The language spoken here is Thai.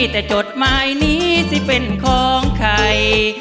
แต่จดหมายนี้สิเป็นของใคร